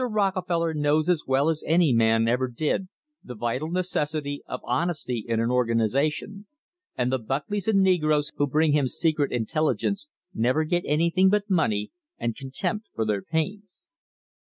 Rockefeller knows as well as any man ever did the vital necessity of honesty in an organisation, and the Buckleys and negroes who bring him secret intelligence never get anything but money and contempt for their pains.